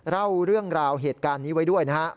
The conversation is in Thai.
เล่าเรื่องราวเหตุการณ์นี้ไว้ด้วยนะครับ